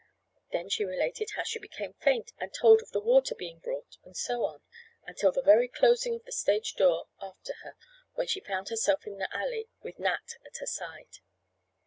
Then she related how she became faint and told of the water being brought, and so on, until the very closing of the stage door after her when she found herself in the alley with Nat at her side.